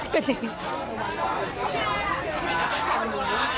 ก็จริง